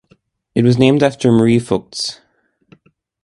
It was named after Marie Vogts.